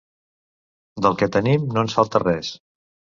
Del que tenim, no ens falta res.